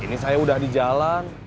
ini saya udah di jalan